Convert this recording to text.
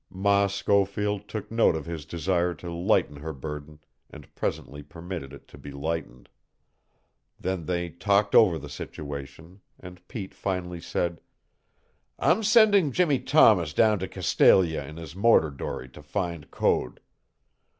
Ma Schofield took note of his desire to lighten her burden, and presently permitted it to be lightened. Then they talked over the situation, and Pete finally said: "I'm sending Jimmie Thomas down to Castalia in his motor dory to find Code.